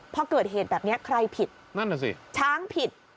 พอเกิดเหตุแบบนี้ใครผิดนั่นน่ะสิช้างผิด